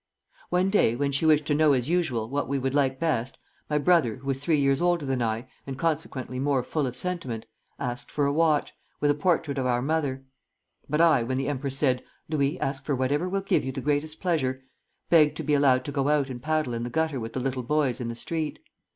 "One day, when she wished to know as usual, what we would like best, my brother, who was three years older than I, and consequently more full of sentiment, asked for a watch, with a portrait of our mother; but I, when the empress said: 'Louis, ask for whatever will give you the greatest pleasure,' begged to be allowed to go out and paddle in the gutter with the little boys in the street.